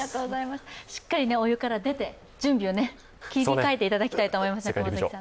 しっかりお湯から出て準備を切り替えていただきたいと思います。